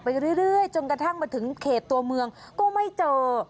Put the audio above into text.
เรื่อยจนกระทั่งมาถึงเขตตัวเมืองก็ไม่เจอ